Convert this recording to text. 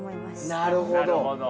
なるほど。